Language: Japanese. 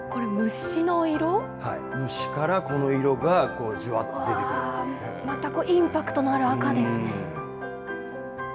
虫からこの色がじわっと出てまたインパクトのある赤です